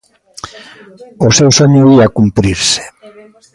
O seu soño ía cumprirse.